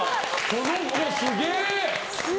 この子、すげえ！